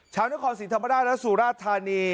ชาวนครศิษย์ธรรมดาและสุรธารณี